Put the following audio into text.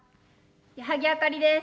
矢作あかりです。